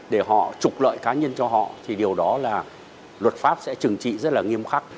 để họ trục lợi cá nhân cho họ thì điều đó là luật pháp sẽ trừng trị rất là nghiêm khắc